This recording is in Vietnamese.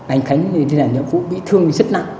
anh khánh là nhân vụ bị thương rất nặng